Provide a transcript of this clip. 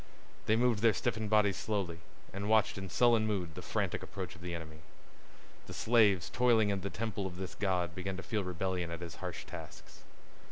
They moved their stiffened bodies slowly, and watched in sullen mood the frantic approach of the enemy. The slaves toiling in the temple of this god began to feel rebellion at his harsh tasks.